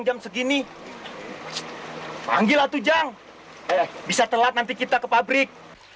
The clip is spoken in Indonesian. tujang segini panggilan tujang eh bisa telat nanti kita ke pabrik